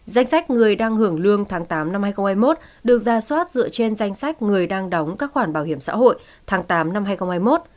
danh sách người đang hưởng lương tháng tám năm hai nghìn hai mươi một được ra soát dựa trên danh sách người đang đóng các khoản bảo hiểm xã hội tháng tám năm hai nghìn hai mươi một